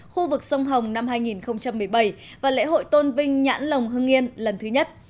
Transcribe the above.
khu vực sông hồng năm hai nghìn một mươi bảy và lễ hội tôn vinh nhãn lồng hưng yên lần thứ nhất